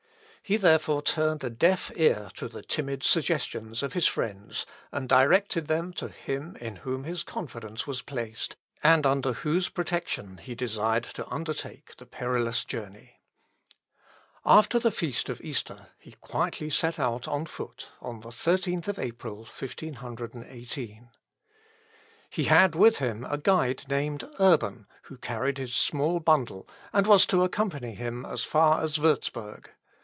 He therefore turned a deaf ear to the timid suggestions of his friends, and directed them to Him in whom his confidence was placed, and under whose protection he desired to undertake the perilous journey. After the feast of Easter he quietly set out on foot, on the 13th April 1518. Ibid., Ep. i, p. 98. "Pedester veniam." I will come on foot. (Luth., Ep. i, p. 98.) He had with him a guide named Urban, who carried his small bundle, and was to accompany him as far as Wurzburg.